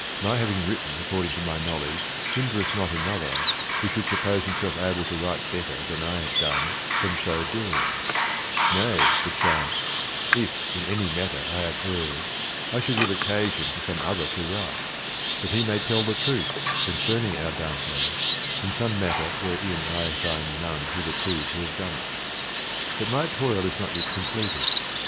My having written according to my knowledge hindereth not another who should suppose himself able to write better than I have done from so doing ; nay perchance if in any matter I have erred I shall give occasion to some other to write; that he may tell the truth, concerning our Dante, in some matter wherein I find none hitherto to have done it. But my toil is not yet completed.